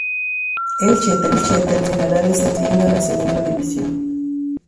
Elche terminaría descendiendo a la Segunda División.